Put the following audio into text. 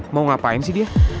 mau ngapain sih dia